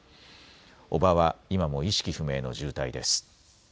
叔母は今も意識不明の重体です。